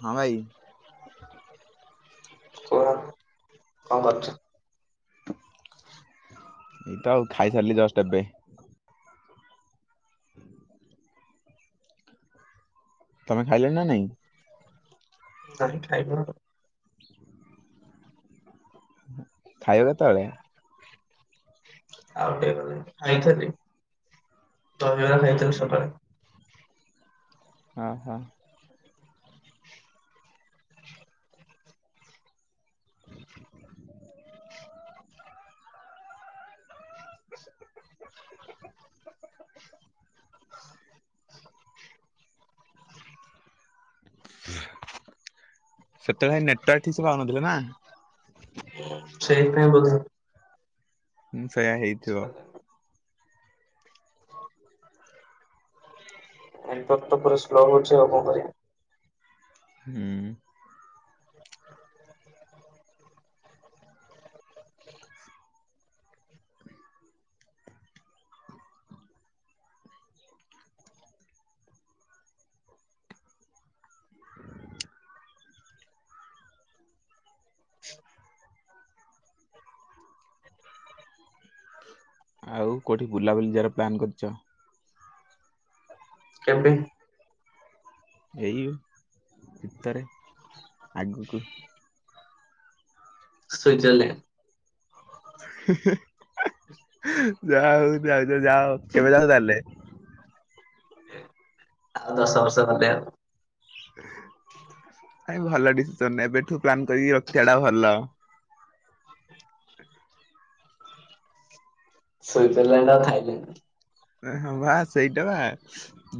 ହଁ ଭାଇ। କଣ କଣ କରୁଚ? ଏଇତ ଆଉ ଖାଇ ସାରିଲି ଜଷ୍ଟ ଏବେ। [unintelligible] ତମେ ଖାଇଲଣି ନା ନାଇଁ? ନାଇଁ ଖାଇବା ଆଉ। [unintelligible] ଖାଇବ କେତେବେଳେ? ଆଉ ଟିକେ ଗଲେ ଖାଇଥେଲି ତ। ବା ଖାଇଥିଲୁ ସକାଳେ। ହଁ ହଁ। [inaudible] [inaudible] ସେତେବେଳେ ନେଟୱାର୍କ ଠିକ ସେ ପାଉନଥିଲା ନା। ସେଇଥି ପାଇଁ ବୋଧେ ହୁଁ। ସେୟା ହେଇଥିବ। ଏଇତତ ପୁରା ସ୍ଲୋ ହୋଉଚି ଆଉ କଣ କରିବ? ହୁଁ। [unintelligible] [unintelligible] ଆଉ କୋଉଠି ବୁଲାବୁଲି ଯିବାର ପ୍ଲାନ୍ କରିଛ? କେଉଁଠି? ଏଇ ଭିତରେ ଆଗକୁ ସୁଇଜରଲ୍ୟାଣ୍ଡ। ଯାହା ହଉ ଯାଇ କେବେ ଯାଅ କେବେ ଯାଆ ତାହେଲେ? ଆଉ ଦଶ ବର୍ଷ ଗଲେ ଆଉ। ଭାଇ ଭଲ ଡିସିସନ୍ ଏବେଠୁ ପ୍ଲାନ୍ କରିକି ରଖିଥିବାଟା ଭଲ। ସୁଇଜରଲ୍ୟାଣ୍ଡ ଆଉ ଥାଇଲ୍ୟାଣ୍ଡ। ହଁ ବା ସେଇଟା ବା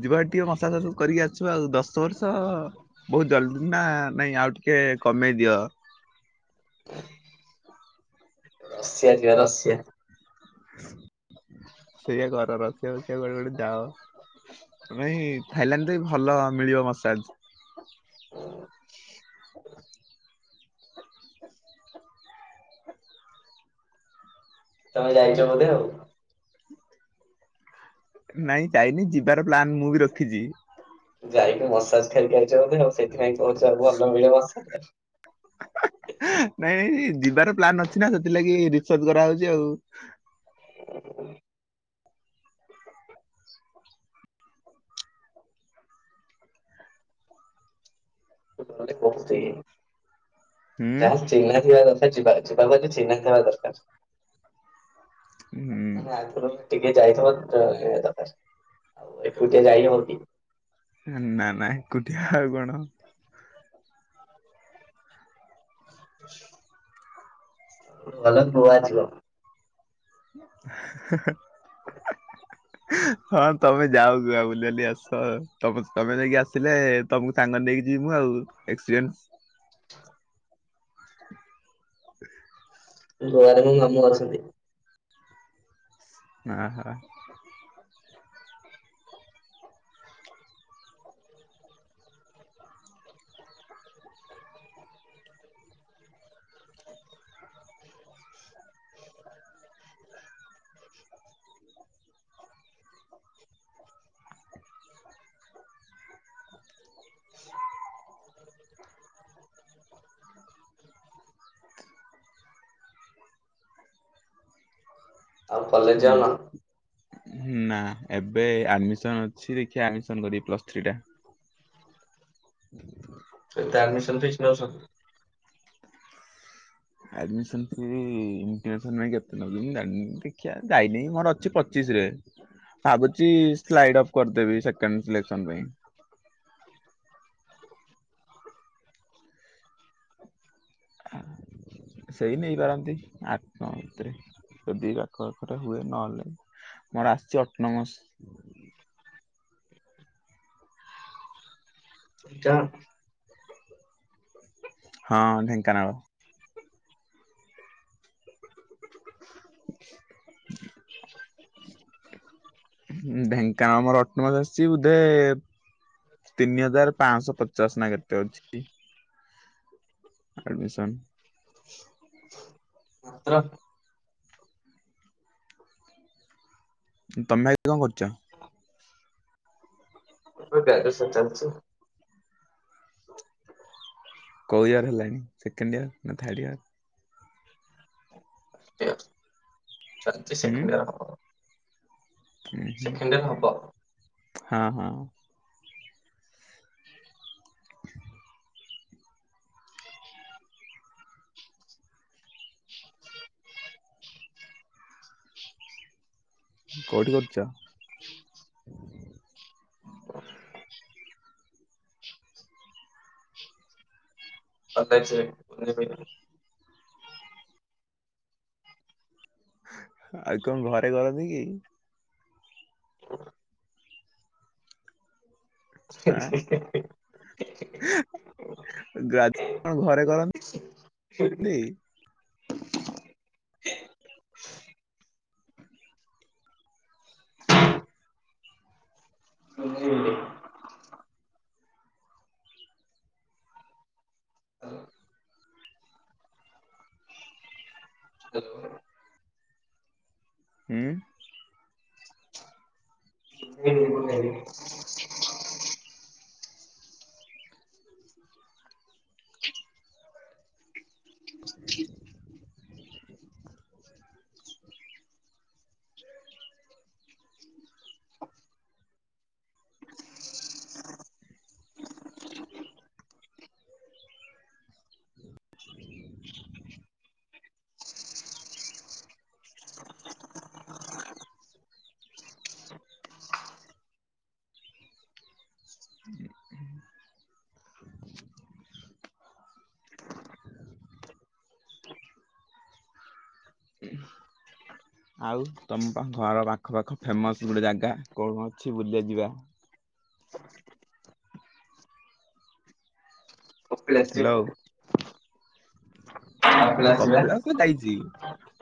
ଯିବା ଟିକେ ମସାଜ ଫସାଜ କରିକି ଆସିବା। ଆଉ ଦଶ ବର୍ଷ ବହୁତ ଜଲଦି ନା ନାଇଁ ଆଉ ଟିକେ କମେଇ ଦିଅ। [unintelligible] ରସିଆ ଯିବା ରସିଆ। ସେଇଆ କର ରସିଆ ଫସିଆ କୋଉଆଡେ ଗୋଟେ ଯାଅ। ନାଇଁ ଥାଇଲାଣ୍ଡରେ ଭଲ ମିଳିବ ମସାଜ। ହଁ। ତମେ ଯାଇଛ ବୋଧେ ଆଉ। ନାଇଁ ଯାଇନି ଯି ଯିବାର ପ୍ଲାନ୍ ମୁଁ ବି ରଖିଛି। ଯାଇକି ମସାଜ ଖାଇକି ଆ ଯଦି ହେଉ ସେଇଥିପାଇଁ କହୁଛ ଆଉ ଭଲ ମିଳିବ। [inaudible] ନାଇଁ ନାଇଁ ଯିବାର ପ୍ଲାନ୍ ଅଛି ନା ସେଥିଲାଗି ରିସର୍ଜ କରାହଉଛି ଆଉ। [inaudible] ତୁ ଘରେ କହୁଛି ହୁଁ ଯାହା ଚିନ୍ହା ଥିବ ଦରକା ଯିବା ଯିବାକୁ ହେଲେ ଚିହ୍ନା ହେବା ଦରକାର। ମାନେ ହୁଁ ଆଗରୁ ଟିକେ ଯାଇଥିବ [inaudible] ଆଉ ଏକୁଟିଆ ଯାଇ ହେବ କି? ନା ନା ଏକୁଟିଆ ଆଉ କଣ? ଭଲ ନୂଆ ଝିଅ ହା ହ ହଁ ତମେ ଯାଅ ଆଉ ବୁଲି ବାଲି ଆସ, ତମେ ତମେ ଯାଇକି ଆସିଲେ ତମକୁ ସାଙ୍ଗ ନେଇକି ଯିମୁଁ ଆଉ ଏକ୍ସପିରିଏନ୍ସ ଗୋଆ ରେ ମୋ ମାମୁଁ ଅଛନ୍ତି। ହ ହ। ଶୁ ଆଉ କଲେଜ ହୁଁ ଯାଉନ? ନା ଏବେ ଆଡମିସନ ଅଛି ଦେଖିବା ଆଡମି କରିବି ପ୍ଲସଥ୍ରୀ ଟା ହୁଁ। ସନ୍ତଷ୍ ନ ସ ା ଦେଖିବା ଯାଇନି ମୋର ଅ ପଚିଶରେ ଭାବୁଛି ସାଲିଡ଼ ଅଫ କରିଦେବି ସେଂକେଡ଼ କରିଦେବୀ। ସେଇ ନେଇ ପାରନ୍ତି ଆଠ ନଅ ଭିତରେ ଯଦି ଆଖ ପାଖରେ ହୁଏ ନହେଲେ ମୋର ଆସିଛି ଅଠ ନ ମସ ସେଇଟା ହଁ ଢେଙ୍କାନାଳ [inaudible] ଢେଙ୍କାନାମର ଅଟନମସ ଆ ବୋଧେ ତିନି ହଜାର ପାଞ୍ଚଶହ ପଚାଶ ନା କେତେ ଅଛି। ଏଡ଼ମିଶନ୍ ମାତ ତମେ ଆଜି କଣ କରୁଛ? ମୋ ଦୂଦାସ କୋଉ ଇୟର ହେଲାଣି ସେକେଣ୍ଡ ଇୟାର ନା ଥାର୍ଡ ଇୟର। ୟ ଚାିଶ ସେକଣ୍ଡୟର ଆଉ। ହ ହୁଁ ହଁ ହଁ। ହେଁ ଯା ମ ଖ କୋଉଠି କରୁଛ? ଆ ତ୍ତେ ଛେ଼ ଆଉ କଣ ଘରେ ଗଲାନ୍ତି କି? ହ ଆଁ ଗା ଘରେ କଣ ନ୍ତୀ ହେ ଆଲୋ ହଁ ହ୍ୟାଲୋ ହୁଁ ହ ପାଣି ହୁଁ ହୁଁ ତମ ଘର ପାଖ ଖ ଫେମସ୍ ଗୋଟେ ଜାଗା କଣ ଅଛି ବୁଲି ବାକୁ ଯିବା। ପ ପ୍ଲେଶି ବା କପିଳାଶ୍ ଯାଇଛି।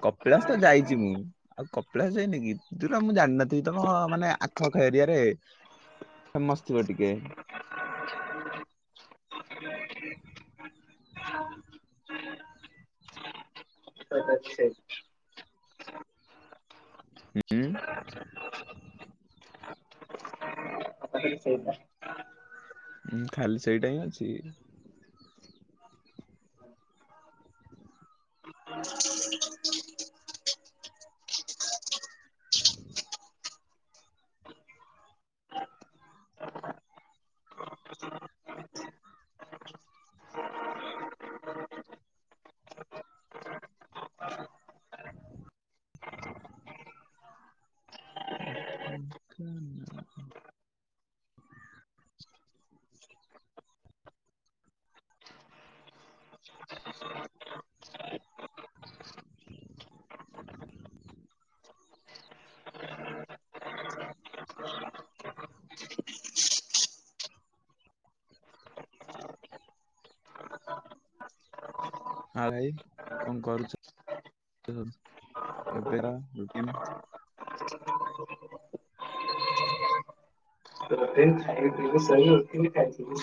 କପିଳାସ ତ ଯାଇଛି ମୁଁ ଆଉ କପିଳାସ ଯାଇନି କି ଦୁରା ମୁଁ ଜାଣିନଥିବି ତମ ମାନେ ଆଖପଖ ଏରିଆରେ ଫେମସ ଥିବ ଟିକେ। ହୁଁ ଖାଲି ସେଇଟା ହିଁ ଅଛି ଉଁ ଦେଖା ଯାଉ ଆ ଭାଇ କଣ କରୁଛ ଏବେ ର ରୁଟି ନ୍ ଖାଇବୁ ପିଇବୁ ଶୋଇବୁ ଉଠିବୁ ଖାଇବୁ ଶୋଇବୁ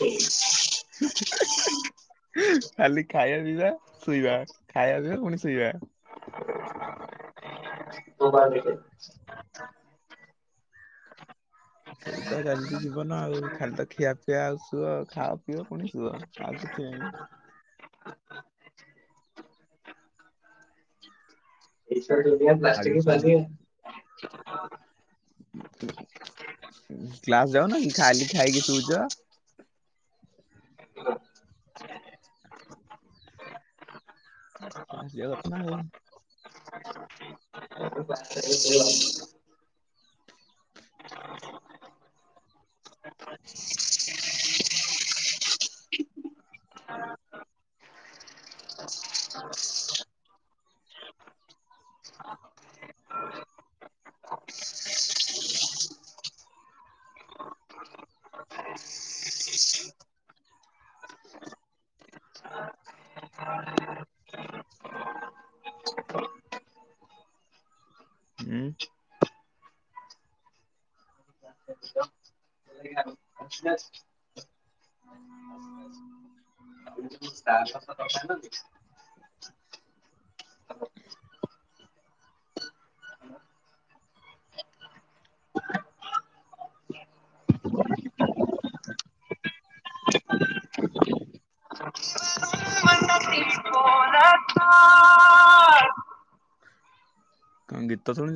[inaudible] ଖାଲି ଖାଇବା ପିିଇବା ସୁଇବା ଖାଇବା ପିଇବା ପୁଣି ସୁଇବା। ହଁ ବାର୍ ଏତେ ସେଇ ତ ଚାଲିଛି ଜୀବନ ଆଉ ଖାଲି ତ ଖିଆ ପିଆ ଆଉ ଶୁଅ ଖାଅ ପିଅ ପୁଣି ଶୁଅ ଆଉ କିଛି ନାହିଁ। ଏଇ ସାଇଡ୍ ଓଡ଼ିଆ ପ୍ଲାଷ୍ଟିକ୍ ପ୍ଲାସିଂ କ୍ଲାସ୍ ଯାଉନ କି ଖାଲି ଖାଇକି ସୋଉଛ? କ୍ଲାସ୍ ଯିବା କଥା ନା ଆଉ। ହୁଁ ତା ସପ ଦକାନ ଦି [unintelligible] କଣ ଗୀତ ଶୁଣୁଛ?